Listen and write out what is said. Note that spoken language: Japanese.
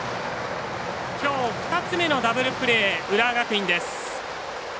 きょう２つ目のダブルプレー浦和学院です。